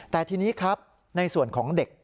แต่ทีนี้ครับในส่วนของเด็ก